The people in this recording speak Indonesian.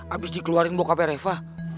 abis dikeluarin bokap ereva